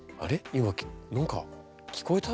今何か聞こえた？